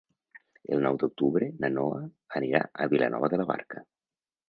El nou d'octubre na Noa anirà a Vilanova de la Barca.